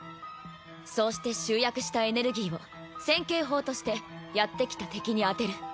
そうして集約したエネルギーを千景砲としてやってきた敵に当てる。